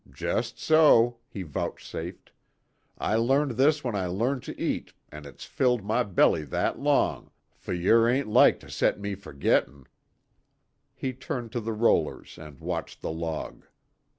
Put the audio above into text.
"Jest so," he vouchsafed. "I learned this when I learned t' eat, an' it's filled my belly that long, fi' year ain't like to set me fergittin'." He turned to the rollers and watched the log.